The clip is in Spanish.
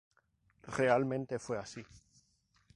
Realmente fue así.